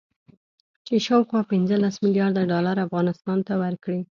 چې شاوخوا پنځلس مليارده ډالر افغانستان ته ورکړي